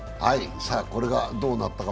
これがどうなったか。